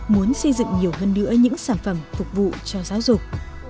muốn xây dựng nhiều hơn nữa những sản phẩm phục vụ cho giáo dục